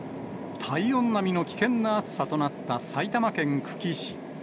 体温並みの危険な暑さとなった埼玉県久喜市。